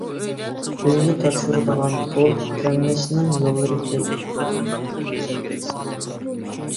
ئۆيگە تاپشۇرىدىغان پۇل غەملەشنىڭ يوللىرى كۆپ.